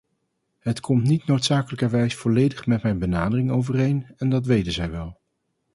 Het komt niet noodzakelijkerwijs volledig met mijn benadering overeen en dat weten zij wel.